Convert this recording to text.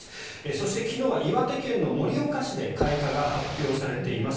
そして昨日は岩手県盛岡市で開花が発表されています。